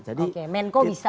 jadi menko bisa